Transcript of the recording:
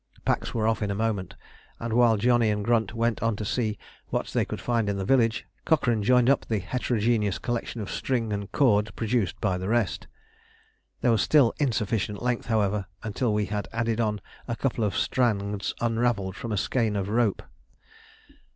Packs were off in a moment, and while Johnny and Grunt went on to see what they could find in the village, Cochrane joined up the heterogeneous collection of string and cord produced by the rest. There was still insufficient length, however, until we had added on a couple of strands unravelled from a skein of rope.